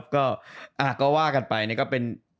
ก็ว่ากันไปก็เป็น